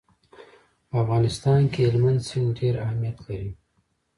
په افغانستان کې هلمند سیند ډېر اهمیت لري.